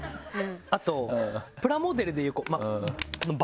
あとプラモデルでいう。